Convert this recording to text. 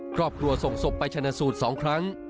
ครอบครัวส่งศพไปชนะสูตร๒ครั้ง